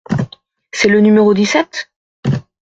C’est le numéro dix-sept ?